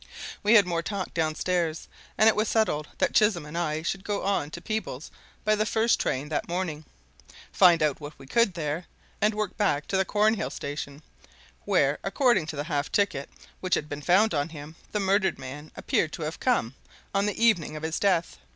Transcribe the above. We had more talk downstairs, and it was settled that Chisholm and I should go on to Peebles by the first train that morning, find out what we could there, and work back to the Cornhill station, where, according to the half ticket which had been found on him, the murdered man appeared to have come on the evening of his death.